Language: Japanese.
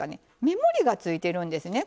目盛りがついてるんですね